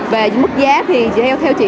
về mức giá thì theo chị